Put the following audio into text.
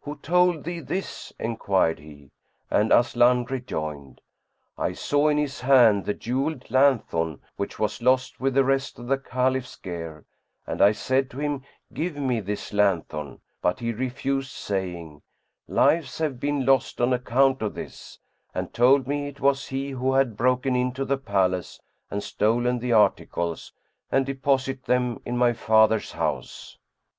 "Who told thee this?" enquired he, and Aslan rejoined, "I saw in his hand the jewelled lanthorn which was lost with the rest of the Caliph's gear, and I said to him, 'Give me this lanthorn!' but he refused, saying, 'Lives have been lost on account of this'; and told me it was he who had broken into the palace and stolen the articles and deposited them in my father's house."